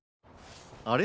あれ？